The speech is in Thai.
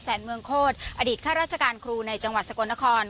แสนเมืองโคตรอดีตข้าราชการครูในจังหวัดสกลนคร